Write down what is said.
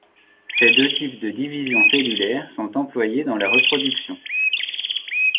Ces deux types de division cellulaire sont employés dans la reproduction.